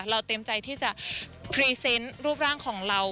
เราเตรียมใจที่จะพรีเซนต์รูปร่างของเรา